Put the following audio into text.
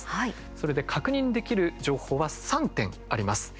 それで、確認できる情報は３点あります。